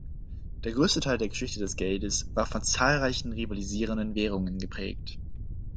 Der größte Teil der Geschichte des Geldes war von zahlreichen rivalisierenden Währungen geprägt.